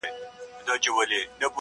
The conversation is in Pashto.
دا ستا د حسن د اختر پر تندي,